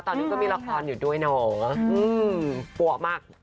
ตอนนี้ก็มีละครอยู่ด้วยน้องปั๊วมาก